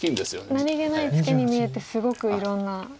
何気ないツケに見えてすごくいろんな。